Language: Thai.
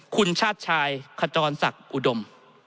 คุณชาติชายขจรศักดิ์อุดม